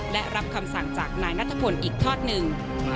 และรับคำสั่งจากนายนัทพลอีกทอดหนึ่ง